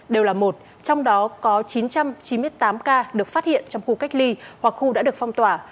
đều là một trong đó có chín trăm chín mươi tám ca được phát hiện trong khu cách ly hoặc khu đã được phong tỏa